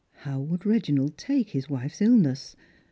How Avould Reginald take his wife's illness?